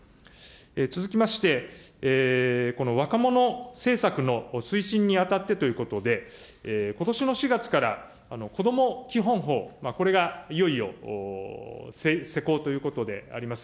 続きまして、この若者政策の推進にあたってということで、ことしの４月から、こども基本法、これがいよいよ施行ということであります。